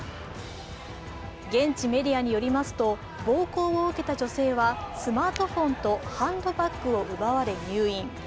現地メディアによりますと暴行を受けた女性はスマートフォンとハンドバッグを奪われ入院。